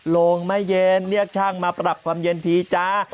โรงไม่เย็นเรียกช่างมาปรับความเย็นทีจ้า